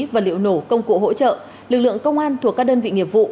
và liệu nổ công cụ hỗ trợ lực lượng công an thuộc các đơn vị nghiệp vụ